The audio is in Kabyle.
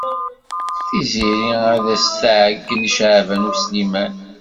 Tiziri ad as-tɛeyyen i Caɛban U Sliman.